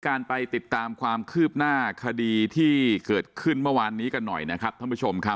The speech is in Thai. การไปติดตามความคืบหน้าคดีที่เกิดขึ้นเมื่อวานนี้กันหน่อยนะครับท่านผู้ชมครับ